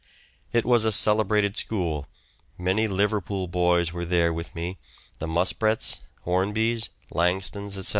It was a celebrated school; many Liverpool boys were there with me, the Muspratts, Hornbys, Langtons, etc.